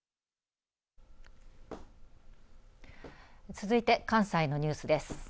続いて関西のニュースです。